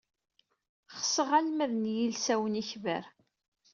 Xseɣ almad n yilsawen ikbar.